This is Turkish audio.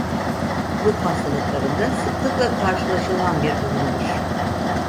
Ruh hastalıklarında sıklıkla karşılaşılan bir durumdur.